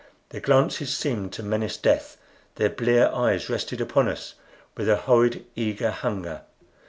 Their glances seemed to menace death; their blear eyes rested upon us with a horrid eager hunger.